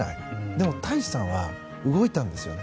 でも太一さんは動いたんですね。